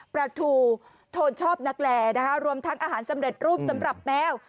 ปลาทูโทนชอบนักแหล่นะคะรวมทั้งอาหารสำเร็จรูปสำหรับแมว